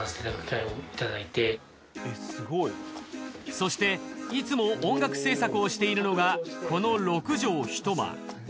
そしていつも音楽制作をしているのがこの６畳ひと間。